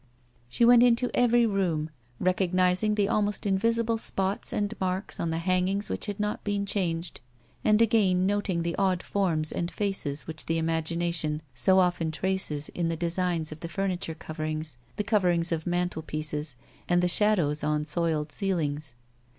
She went into every room, recognising the almost invisible spots and marks on the hangings which had "not been changed and again noting the odd forms and faces which the im agination so often traces in the designs of the furniture coverings, the carvings of mantel pieces and the shadows on soiled ceilings.